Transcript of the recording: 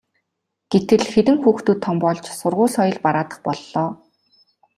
гэтэл хэдэн хүүхдүүд том болж сургууль соёл бараадах боллоо.